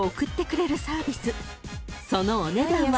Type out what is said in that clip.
［そのお値段は］